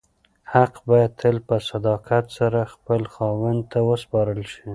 حق باید تل په صداقت سره خپل خاوند ته وسپارل شي.